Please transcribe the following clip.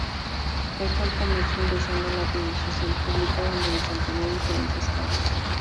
Dejó el comercio ingresando a la administración pública donde desempeñó diferentes cargos.